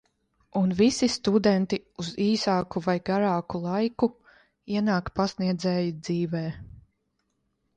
Un visi studenti uz īsāku vai garāku laiku ienāk pasniedzēja dzīvē.